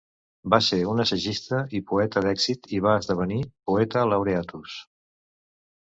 Va ser un assagista i poeta d'èxit i va esdevenir "poeta laureatus".